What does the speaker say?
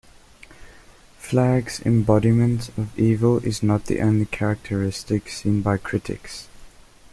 Flagg's embodiment of evil is not the only characteristic seen by critics.